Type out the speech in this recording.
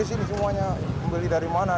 di sini semuanya membeli dari mana